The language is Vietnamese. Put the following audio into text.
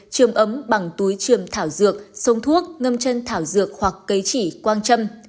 trường ấm bằng túi trường thảo dược sông thuốc ngâm chân thảo dược hoặc cấy chỉ quang trâm